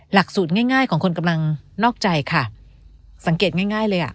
หลักสูตรง่ายง่ายของคนกำลังนอกใจค่ะสังเกตง่ายง่ายเลยอ่ะ